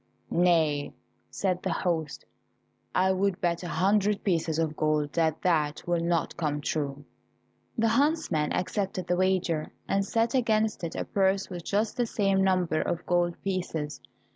"Nay," said the host, "I would bet a hundred pieces of gold that that will not come true." The huntsman accepted the wager, and set against it a purse with just the same number of gold pieces.